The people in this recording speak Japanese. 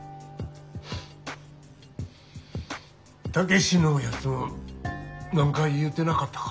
武志のやつ何か言うてなかったか？